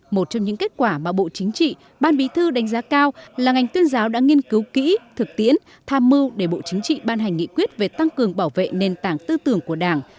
một trong những kết quả mà bộ chính trị ban bí thư đánh giá cao là ngành tuyên giáo đã nghiên cứu kỹ thực tiễn tham mưu để bộ chính trị ban hành nghị quyết về tăng cường bảo vệ nền tảng tư tưởng của đảng